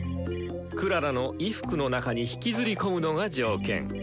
クララの衣服の中に引きずり込むのが条件。